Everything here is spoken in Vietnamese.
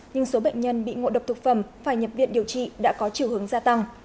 nhưng số bệnh nhân bị ngộ độc thực phẩm phải nhập viện điều trị đã có chiều hướng gia tăng